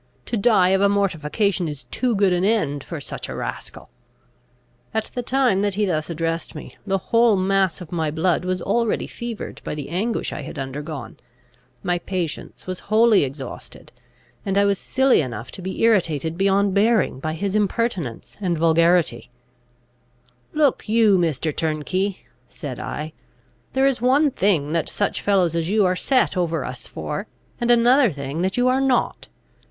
To die of a mortification is too good an end for such a rascal!" At the time that he thus addressed me, the whole mass of my blood was already fevered by the anguish I had undergone, my patience was wholly exhausted, and I was silly enough to be irritated beyond bearing, by his impertinence and vulgarity: "Look, you, Mr. Turnkey," said I, "there is one thing that such fellows as you are set over us for, and another thing that you are not.